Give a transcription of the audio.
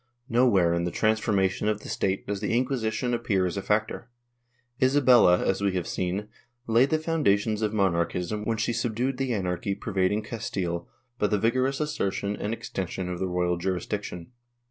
Nowhere in the transformation of the State does the Inquisition appear as a factor, Isabella, as w^e have seen, laid the foundations of mon archism when she subdued the anarchy pervading Castile by the vigorous assertion ' and extension of the royal jurisdiction.